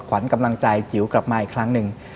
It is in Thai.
ขวัญกำลังใจจิ๋วกลับมาอีกครั้งหนึ่ง